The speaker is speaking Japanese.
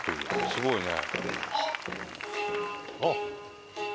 すごいね。